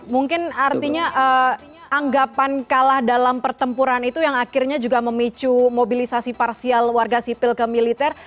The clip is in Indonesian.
mungkin artinya anggapan kalah dalam pertempuran itu yang akhirnya juga memicu mobilisasi parsial warga sipil ke militer